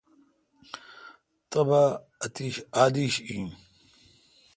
تبا اتیش ادیش این۔